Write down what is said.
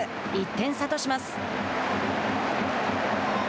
１点差とします。